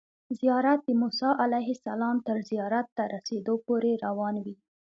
زیارت د موسی علیه السلام تر زیارت ته رسیدو پورې روان وي.